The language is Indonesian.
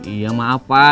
iya maaf pak